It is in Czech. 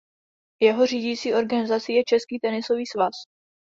Jeho řídící organizací je Český tenisový svaz.